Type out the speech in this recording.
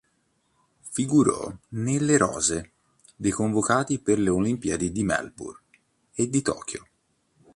Figurò nelle rose dei convocati per le Olimpiadi di Melbourne e di Tokyo.